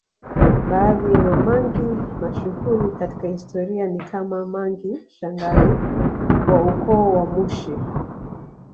Baadhi ya Mamangi mashuhuri katika historia ni kama Mangi Shangali wa ukoo wa Mushi